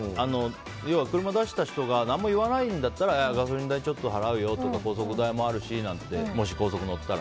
要は車出した人が何も言わないんだったらガソリン代をちょっと出すよとか高速代もあるしとか言ってもし高速乗ったら。